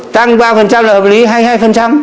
tăng ba là hợp lý hay hai